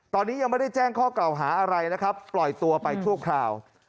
ตอนนี้ยังไม่ได้แจ้งข้อกล่าวหาอะไรนะครับปล่อยตัวไปชั่วคราว